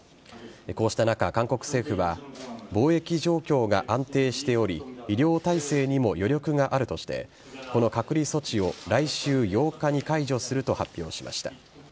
こうした中、韓国政府は防疫状況が安定しており医療体制にも余力があるとしてこの隔離措置を来週８日に解除すると発表しました。